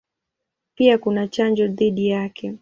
Pia kuna chanjo dhidi yake.